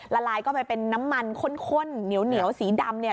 ละลายเข้าไปเป็นน้ำมันข้นเหนียวสีดำ